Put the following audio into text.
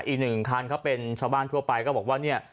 อีกหนึ่งคันเขาเป็นชาวบ้านทั่วไปก็บอกว่าเนี่ย